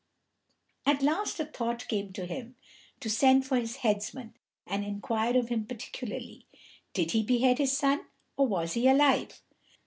At last a thought came to him to send for his headsman, and inquire of him particularly, Did he behead his son, or was he alive?